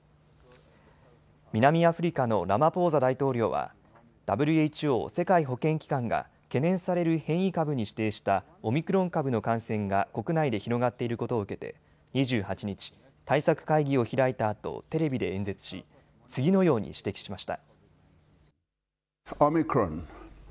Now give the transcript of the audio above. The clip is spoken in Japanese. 南アフリカのラマポーザ大統領はＷＨＯ・世界保健機関が懸念される変異株に指定したオミクロン株の感染が国内で広がっていることを受けて２８日、対策会議を開いたあとテレビで演説し次のように指摘しました。